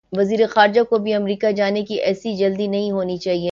وزیر خارجہ کو بھی امریکہ جانے کی ایسی جلدی نہیں ہونی چاہیے۔